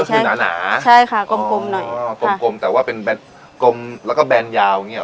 ก็คือหนาใช่ค่ะกลมหน่อยอ๋อกลมแต่ว่าเป็นกลมแล้วก็แบนยาว